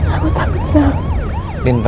aku serius yang didi